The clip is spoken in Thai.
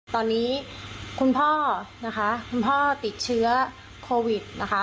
ตอนนี้คุณพ่อนะคะคุณพ่อติดเชื้อโควิดนะคะ